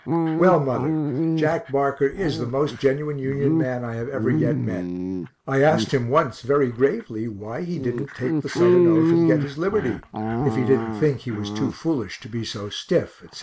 Well, mother, Jack Barker is the most genuine Union man I have ever yet met. I asked him once very gravely why he didn't take the Southern oath and get his liberty if he didn't think he was foolish to be so stiff, etc.